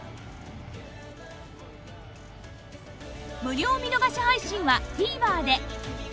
無料見逃し配信は ＴＶｅｒ で